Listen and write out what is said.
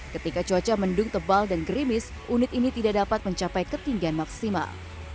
ketika cuaca mendung tebal dan gerimis unit ini tidak dapat mencapai ketinggian maksimal